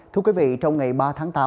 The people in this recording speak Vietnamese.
thưa quý vị trong ngày ba tháng tám